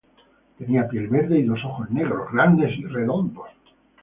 Tenía piel verde y dos ojos negros, grandes y redondos.